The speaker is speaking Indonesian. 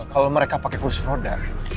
kalau mereka pakai kursi roda